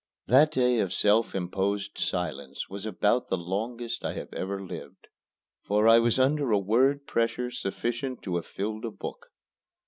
That day of self imposed silence was about the longest I have ever lived, for I was under a word pressure sufficient to have filled a book.